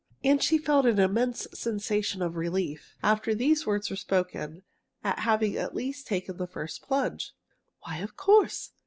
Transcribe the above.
And she felt an immense sensation of relief, after these words were spoken, at having at least taken the first plunge. "Why, of course!"